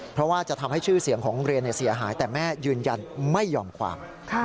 เพราะว่าจะทำให้ชื่อเสียงของโรงเรียนเสียหายแต่แม่ยืนยันไม่ยอมความ